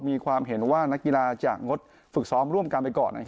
มีความเห็นว่านักกีฬาจะงดฝึกซ้อมร่วมกันไปก่อน